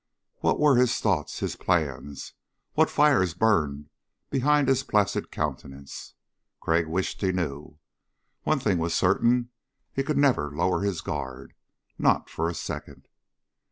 What were his thoughts? His plans? What fires burned behind his placid countenance? Crag wished he knew. One thing was certain. He could never lower his guard. Not for a second.